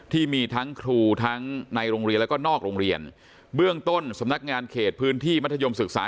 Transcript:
ที่มีทั้งครูทั้งในโรงเรียนแล้วก็นอกโรงเรียนเบื้องต้นสำนักงานเขตพื้นที่มัธยมศึกษา